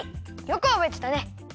よくおぼえてたね！